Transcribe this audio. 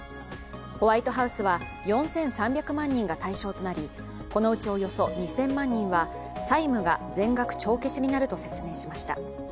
ホワイトハウスは４３００万人が対象となりこのうちおよそ２０００万人は債務が全額帳消しになると説明しました。